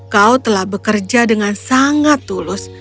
kau telah bekerja dengan sangat tulus